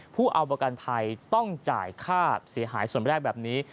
ผู้เอาประกันภัยต้องจ่ายค่าเสียหายส่วนแรกแบบนี้